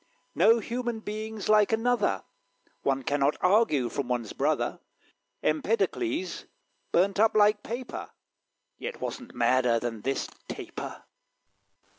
No human being's like another: One cannot argue from one's brother. Empedocles burnt up like paper; Yet wasn't madder than this Taper.